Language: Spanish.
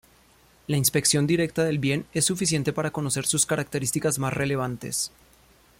La inspección directa del bien es suficiente para conocer sus características más relevantes.